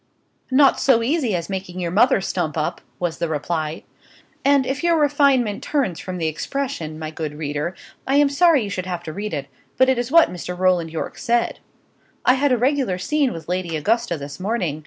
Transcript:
"Not so easy as making your mother stump up," was the reply. And if your refinement turns from the expression, my good reader, I am sorry you should have to read it; but it is what Mr. Roland Yorke said. "I had a regular scene with Lady Augusta this morning.